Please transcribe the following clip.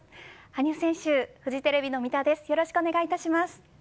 羽生選手、フジテレビの三田です